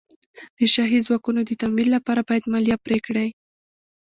د شاهي ځواکونو د تمویل لپاره باید مالیه پرې کړي.